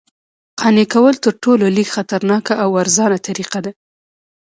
قانع کول تر ټولو لږ خطرناکه او ارزانه طریقه ده